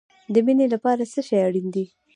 د مینې لپاره څه شی اړین دی؟